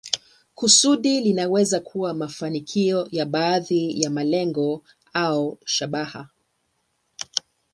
Kusudi linaweza kuwa mafanikio ya baadhi ya malengo au shabaha.